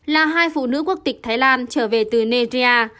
là hai phụ nữ quốc tịch thái lan trở về từ negia